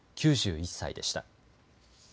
９１歳でした。